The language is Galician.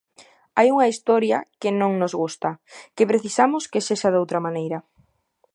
Hai unha Historia que non nos gusta, que precisamos que sexa doutra maneira.